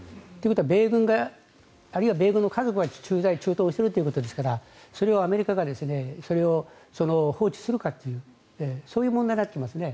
米軍、あるいは米軍の家族が駐在駐屯しているということですからアメリカがそれを放置するかというそういう問題になってきますね。